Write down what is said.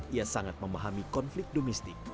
ia sangat memahami konflik domestik